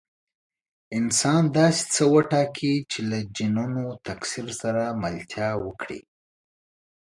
انسان داسې څه وټاکي چې له جینونو تکثیر سره ملتیا وکړي.